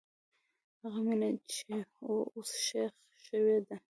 هغه مینه چې وه، اوس ښخ شوې ده.